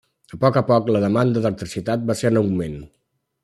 A poc a poc la demanda d'electricitat va ser en augment.